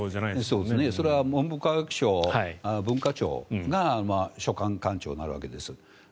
それは文部科学省、文化庁が所管官庁になるわけです。